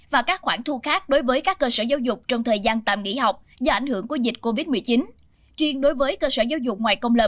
và các khoản thu khác đối với các cơ sở giáo dục